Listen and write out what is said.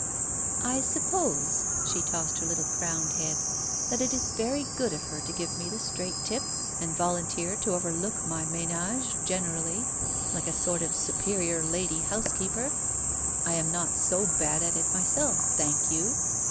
," I suppose "— she tossed her little gold crowned head — "that it is very good of her to give me the straight tip, and volunteer to overlook my manage, generally, like a sort of superior lady housekeeper ! I am not so bad at it myself, thank you